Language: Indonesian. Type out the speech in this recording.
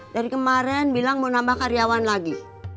dari kemarin bilang mau nambah karyawan lagi